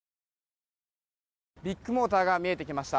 ビッグモーターが見えてきました。